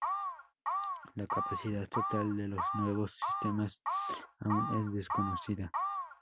La capacidad total de los nuevos sistemas aún es desconocida.